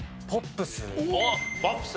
ポップス。